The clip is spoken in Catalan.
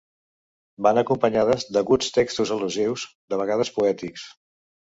Van acompanyades d'aguts textos al·lusius, de vegades poètics.